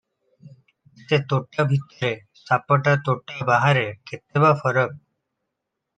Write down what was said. ସେ ତୋଟା ଭିତରେ' ସାପଟା ତୋଟା ବାହାରେ- କେତେ ବା ଫରକ ।